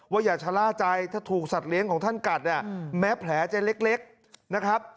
อย่าชะล่าใจถ้าถูกสัตว์เลี้ยงของท่านกัดเนี่ยแม้แผลจะเล็กนะครับ